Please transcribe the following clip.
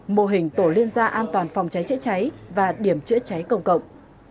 mô hình tổ liên gia an toàn phòng cháy chữa cháy và điểm chữa cháy công cộng